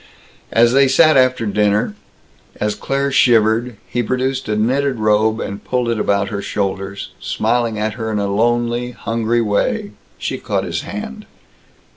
As they sat after dinner, as Claire shivered, he produced a knitted robe, and pulled it about her shoulders, smiling at her in a lonely, hungry way. She caught his hand.